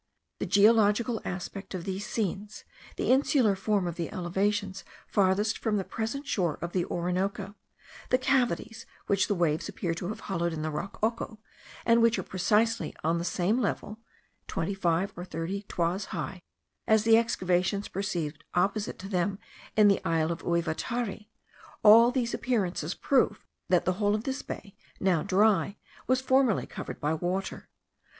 The geological aspect of these scenes, the insular form of the elevations farthest from the present shore of the Orinoco, the cavities which the waves appear to have hollowed in the rock Oco, and which are precisely on the same level (twenty five or thirty toises high) as the excavations perceived opposite to them in the isle of Ouivitari; all these appearances prove that the whole of this bay, now dry, was formerly covered by water.